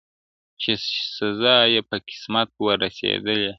چي سزا یې په قسمت وه رسېدلې!!